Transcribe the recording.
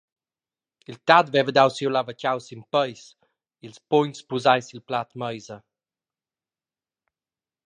Il tat veva dau siu lavatgau sin peis, ils pugns pusai sil plat meisa.